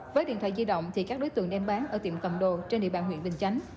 với điện thoại di động thì các đối tượng đem bán ở tiệm cầm đồ trên địa bàn huyện bình chánh